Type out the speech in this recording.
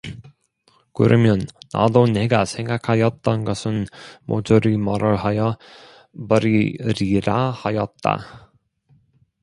그러면 나도 내가 생각하였던 것은 모조리 말을 하여 버리리라 하였다.